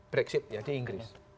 brexit ya di inggris